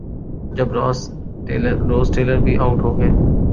جب Ross Taylor بھی out ہو گئے۔